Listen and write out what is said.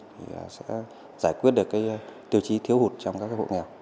thì sẽ giải quyết được cái tiêu chí thiếu hụt trong các hộ nghèo